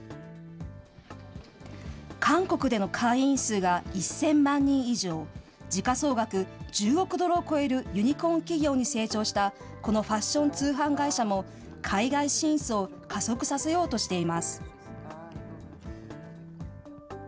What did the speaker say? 韓国での会員数が１０００万人以上、時価総額１０億ドルを超えるユニコーン企業に成長した、このファッション通販会社も、海外進出を加速させようとしています。